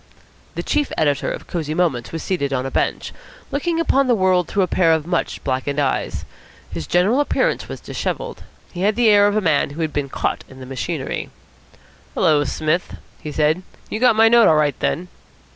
The chief editor of Cosy Moments was seated on a bench, looking upon the world through a pair of much blackened eyes. His general appearance was dishevelled. He had the air of a man who has been caught in the machinery. "Hullo, Smith," he said. "You got my note all right then?"